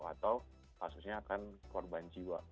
atau kasusnya akan korban jiwa